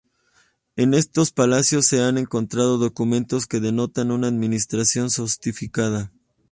En estos palacios se han encontrado documentos que denotan una administración sofisticada.